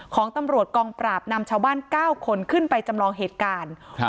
ของตำรวจกองปราบนำชาวบ้านเก้าคนขึ้นไปจำลองเหตุการณ์ครับ